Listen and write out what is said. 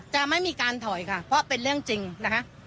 จะไม่มีการถอยค่ะเพราะเป็นเรื่องจริงนะคะ